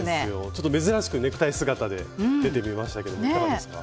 ちょっと珍しくネクタイ姿で出てみましたけどいかがですか？